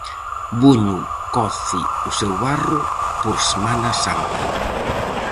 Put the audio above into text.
Buño coce o seu barro por Semana Santa.